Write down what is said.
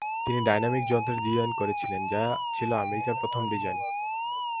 তিনি ডাইনামিক যন্ত্রের ডিজাইন করেছিলেন যা ছিল আমেরিকার প্রথম ডিজাইন।